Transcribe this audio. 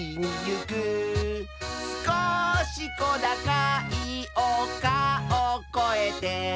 「すこしこだかいおかをこえて」